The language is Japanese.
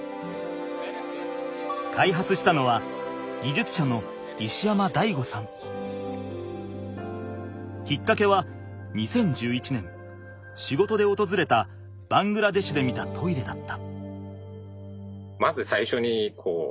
開発したのはきっかけは２０１１年仕事でおとずれたバングラデシュで見たトイレだった。